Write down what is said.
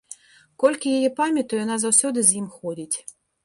Колькі яе памятаю, яна заўсёды з ім ходзіць.